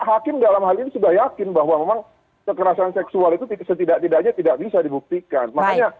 hakim dalam hal ini sudah yakin bahwa memang kekerasan seksual itu setidak tidaknya tidak bisa dibuktikan makanya